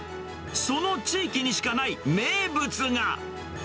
その地域にしかない名物が。